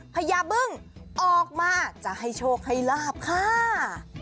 พญาบึ้งออกมาจะให้โชคให้ลาบค่ะ